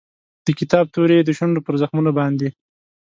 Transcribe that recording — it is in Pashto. د کتاب توري یې د شونډو پر زخمونو باندې